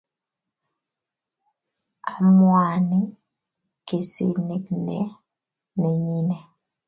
amuani kesinik let nenyine